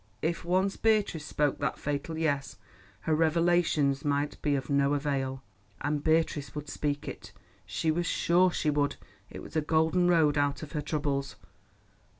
If once Beatrice spoke that fatal "yes," her revelations might be of no avail. And Beatrice would speak it; she was sure she would. It was a golden road out of her troubles.